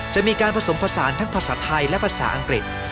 จะมีการผสมผสานทั้งภาษาไทยและภาษาอังกฤษ